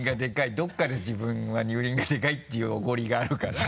どっかで自分は乳輪がでかいっていうおごりがあるから。